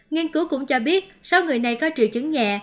nghiên cứu cũng cho biết số người này có triệu chứng nhẹ